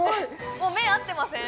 もう目合ってません？